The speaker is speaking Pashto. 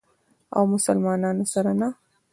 او مسلمانانو سره نه.